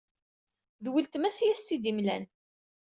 D weltma-s i as-tt-id-imlan.